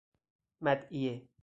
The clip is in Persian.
مدعیه